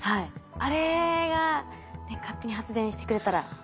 あれが勝手に発電してくれたらいいですよね。